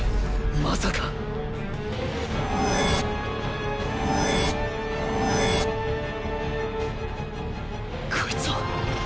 まさか⁉こいつはッ！！